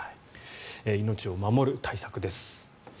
命を守る対策です。